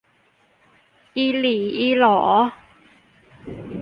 อิหลีอิหลอ